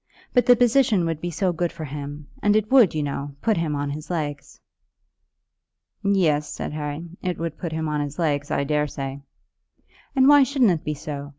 But the position would be so good for him; and it would, you know, put him on his legs." "Yes," said Harry, "it would put him on his legs, I daresay." "And why shouldn't it be so?